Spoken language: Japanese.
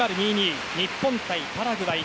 日本対パラグアイ。